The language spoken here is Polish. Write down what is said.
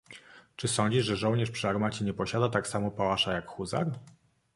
"Czy sądzisz, że żołnierz przy armacie nie posiada tak samo pałasza, jak huzar?"